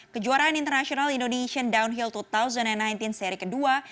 kejuaraan internasional indonesian downhill dua ribu sembilan belas seri kedua